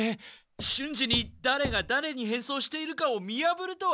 瞬時にだれがだれに変装しているかを見やぶるとは。